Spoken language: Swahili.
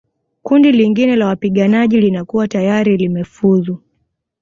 Kundi lingine la wapiganaji linakuwa tayari limefuzu